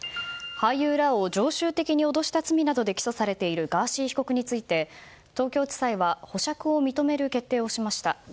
俳優らを常習的に脅した罪などで起訴されているガーシー被告について東京地裁は保釈を認める決定をしました。